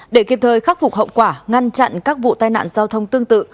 để kịp thời khắc phục hậu quả ngăn chặn các vụ tai nạn giao thông tương tự